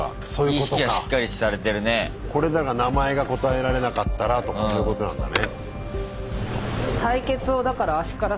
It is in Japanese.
これで名前が答えられなかったらとかそういうことなんだね。